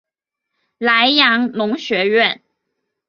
莱阳农学院。